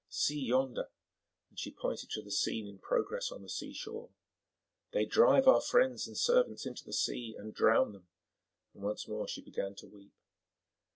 "See yonder," and she pointed to the scene in progress on the seashore. "They drive our friends and servants into the sea and drown them," and once more she began to weep.